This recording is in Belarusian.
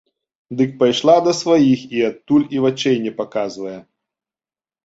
Дык пайшла да сваіх і адтуль і вачэй не паказвае.